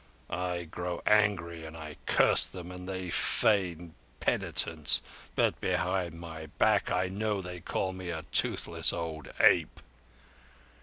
I grow angry and I curse them, and they feign penitence, but behind my back I know they call me a toothless old ape."